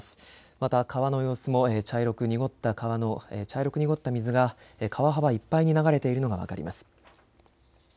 また川の様子も茶色く濁った水が川幅いっぱいに流れているのが分かります。